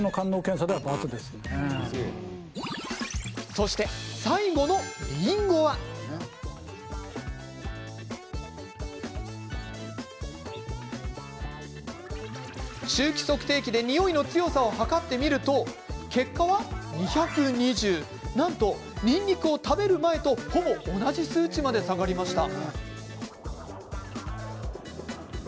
そして、最後のりんごは臭気測定器でにおいの強さを測ってみるとなんと、にんにくを食べる前とほぼ同じ数値まで下がりました。